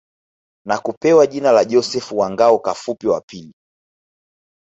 Na kupewa jina la Joseph wa Ngao Kapufi wa Pili